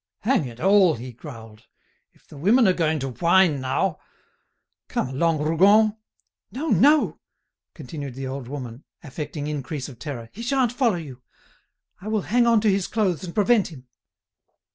"Hang it all!" he growled, "if the women are going to whine now—Come along, Rougon!' "No, no," continued the old woman, affecting increase of terror, "he sha'n't follow you. I will hang on to his clothes and prevent him."